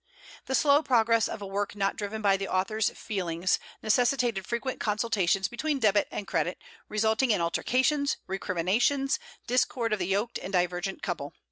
The slow progress of a work not driven by the author's feelings necessitated frequent consultations between Debit and Credit, resulting in altercations, recriminations, discord of the yoked and divergent couple.